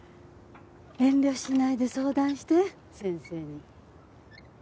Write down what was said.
遠慮しないで相談して先生に。